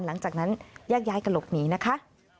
หลังจากนั้นแยกย้ายกระหลบหนีนะคะ